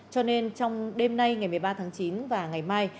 cho nên trong đêm nay ngày một mươi ba tháng chín và ngày mai